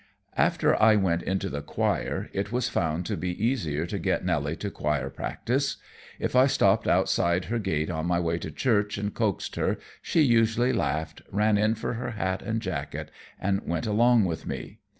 After I went into the choir it was found to be easier to get Nelly to choir practice. If I stopped outside her gate on my way to church and coaxed her, she usually laughed, ran in for her hat and jacket, and went along with me.